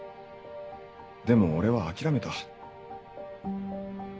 でも俺は諦めた。